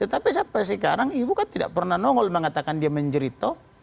tetapi sampai sekarang ibu kan tidak pernah nongol mengatakan dia menjerito